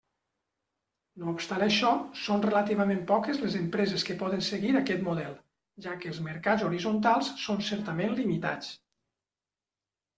No obstant això, són relativament poques les empreses que poden seguir aquest model, ja que els mercats horitzontals són certament limitats.